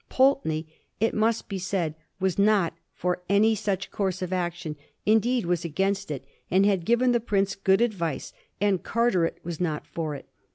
Pulteney, it must be said, was not for any such course of action, indeed, was against it, and had given the prince good advice ; and Carteret was not for it.